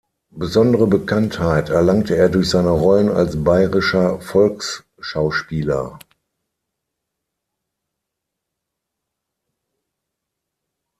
Besondere Bekanntheit erlangte er durch seine Rollen als bayerischer Volksschauspieler.